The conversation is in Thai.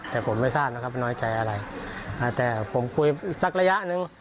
แต่ผมไม่ทราบนะครับว่าน้อยใจอะไรแต่ผมคุยสักระยะหนึ่ง